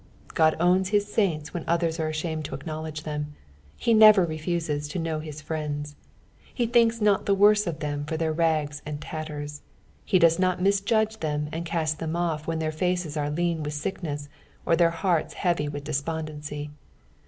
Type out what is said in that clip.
Ood owns his saints when others are ashamed to acknowledge them ; be never refuses to know his friends, lie thinks not the worse of them for their rags and tatters. He does not mis judge them and cast Ihem oS when their faces are lean with sickness, or their hearts heavy with despondency.